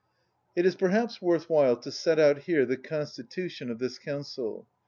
It is perhaps worth while to set out here the constitution of this Council.